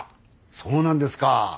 そうなんですか。